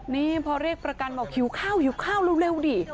นี่พอเรียกประกันบอกหิวข้าวหิวข้าวเร็วดิ